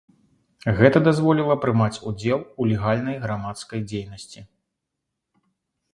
Гэта дазволіла прымаць удзел у легальнай грамадскай дзейнасці.